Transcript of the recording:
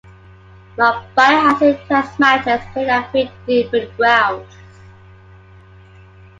Mumbai has seen Test matches played at three different grounds.